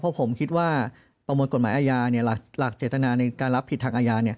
เพราะผมคิดว่าประมวลกฎหมายอาญาหลักเจตนาในการรับผิดทางอาญา